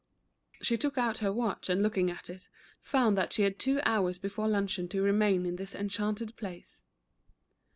She took out her w^atch and look ing at it, found that she had two hours before luncheon to remain in this enchanting place.